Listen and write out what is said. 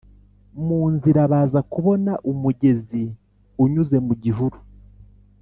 Mu nzira baza kubona umugezi unyuze mu gihuru